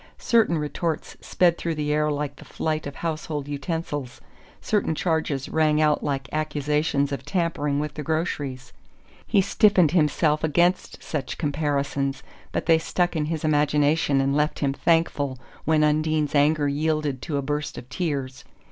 Certain retorts sped through the air like the flight of household utensils, certain charges rang out like accusations of tampering with the groceries. He stiffened himself against such comparisons, but they stuck in his imagination and left him thankful when Undine's anger yielded to a burst of tears.